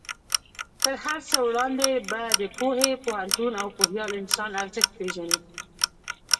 تر هر څه وړاندې به د پوهې، پوهنتون او پوهیال انسان ارزښت پېژنې.